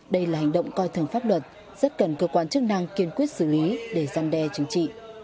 đây là hành động coi thường pháp luật rất cần cơ quan chức năng kiên quyết xử lý để gian đe chính trị